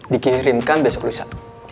dikirimkan besok lusa